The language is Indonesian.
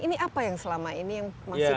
ini apa yang selama ini yang masih